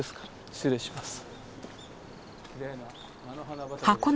失礼します。